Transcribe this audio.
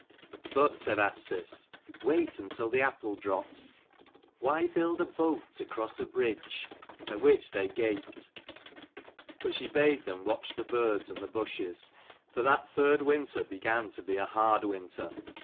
But said Asdis, "Wait until the apple drops. Why build a boat to cross a bridge ?" At which they gaped, but she bade them watch the birds and the bushes. For that third winter began to be a hard winter.